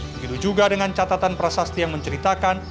begitu juga dengan catatan prasasti yang menceritakan